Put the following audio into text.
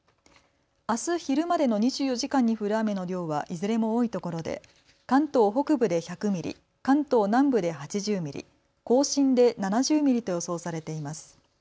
あす昼までの２４時間に降る雨の量はいずれも多いところで関東北部で１００ミリ、関東南部で８０ミリ、甲信で７０ミリと予想されています。